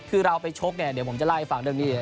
คือเราไปชกเนี่ยเดี๋ยวผมจะเล่าให้ฟังเรื่องนี้